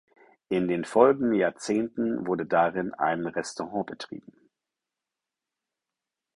In den folgenden Jahrzehnten wurde darin ein Restaurant betrieben.